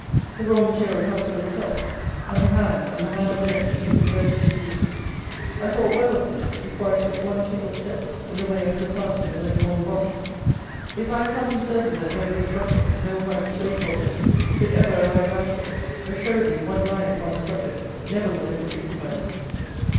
The raw material comes of itself, and the hand, and the hand alone, can convert it to use. I thought well of this before I took one single step in the way of supplanting the Leghorn bonnets. If I had not been certain that no rich ruffian, no white slave holder, could ever arise out of it, assuredly one line upon the subject never would have been written by me.